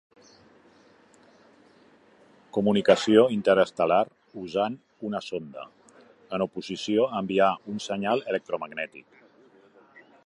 Comunicació interestel·lar usant una sonda, en oposició a enviar un senyal electromagnètic.